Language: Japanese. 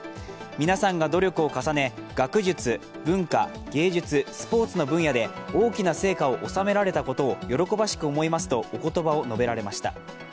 皆さんが努力を重ね学術、文化、芸術、スポーツの分野で大きな成果を収められたことを喜ばしく思いますと、おことばを述べられました。